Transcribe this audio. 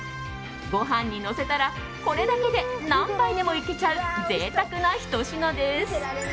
ご飯にのせたらこれだけで何杯でもいけちゃう贅沢なひと品です。